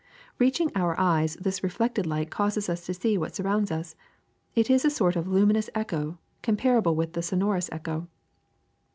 Reaching our eyes, this reflected light causes us to see what surrounds us ; it is a sort of luminous echo comparable with the sonorous echo.